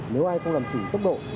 nếu ai không làm chủ tốc độ